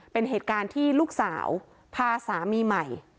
เป็นเหตุการณ์ที่ลูกสาวพาสามีใหม่